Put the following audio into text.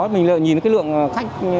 mình nhìn cái lượng khách